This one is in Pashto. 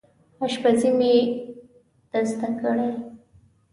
اشپزي مې ده زده کړې